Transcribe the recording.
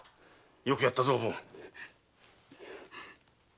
よくやったぞおぶん。